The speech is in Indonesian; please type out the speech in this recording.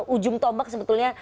ujung tombak sebetulnya